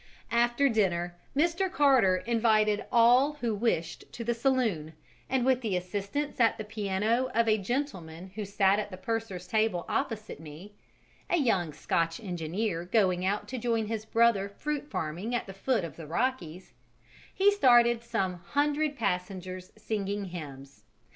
After dinner, Mr. Carter invited all who wished to the saloon, and with the assistance at the piano of a gentleman who sat at the purser's table opposite me (a young Scotch engineer going out to join his brother fruit farming at the foot of the Rockies), he started some hundred passengers singing hymns.